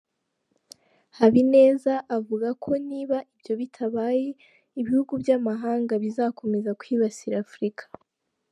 Habineza avuga ko niba ibyo bitabaye ibihugu by’amahanga bizakomeza kwibasira Afurika.